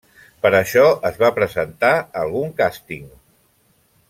Per això es va presentar a algun càsting.